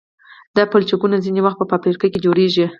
دا پلچکونه ځینې وخت په فابریکه کې جوړیږي